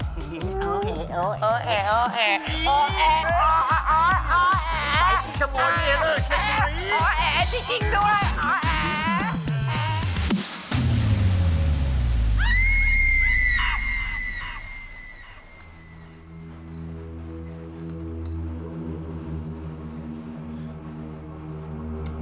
ใบที่ขโมงเยเมอร์ใช่ไหม